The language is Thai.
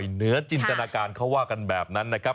เหนือจินตนาการเขาว่ากันแบบนั้นนะครับ